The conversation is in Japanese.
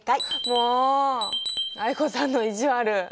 もう藍子さんの意地悪。